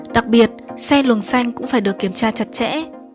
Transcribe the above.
đặc biệt xe luồng xanh cũng phải được kiểm tra chặt chẽ